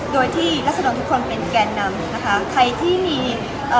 โดยที่รัศดรทุกคนเป็นแก่นำนะคะใครที่มีเอ่อ